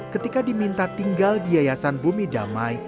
ketika diminta tinggal di yayasan bumi damai